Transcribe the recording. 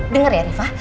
dengar ya riva